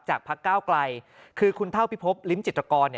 พักก้าวไกลคือคุณเท่าพิพบลิ้มจิตรกร